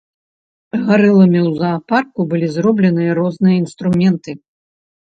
Гарыламі ў заапарку былі зробленыя розныя інструменты.